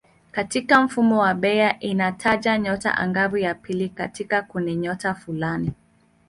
Katika mfumo wa Bayer inataja nyota angavu ya pili katika kundinyota fulani.